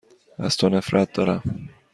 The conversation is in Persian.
از تو نفرت دارم.